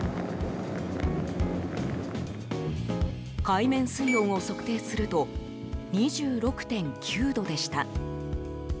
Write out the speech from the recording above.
海面水温を測定すると２６．９度でした。